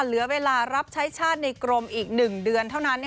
เหลือเวลารับใช้ชาติในกรมอีก๑เดือนเท่านั้น